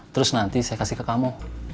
terus nanti saya kasih ke kamu